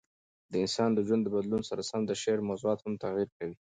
د انسان د ژوند د بدلون سره سم د شعر موضوعات هم تغیر کوي.